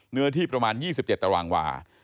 เนื้อที่ประมาณ๒๗ตารางวา